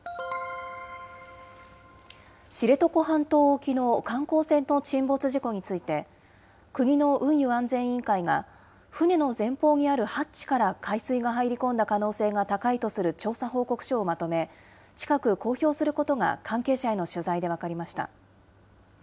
知床半島沖の観光船の沈没事故について、国の運輸安全委員会が、船の前方にあるハッチから海水が入り込んだ可能性が高いとする調査報告書をまとめ、近く公表することが、関係者への取材で分かりました。